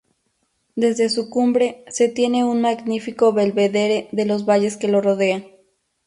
Desde su cumbre se tiene un magnífico "belvedere" de los valles que lo rodean.